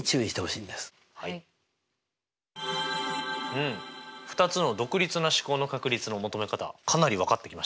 うん２つの独立な試行の確率の求め方かなり分かってきましたね。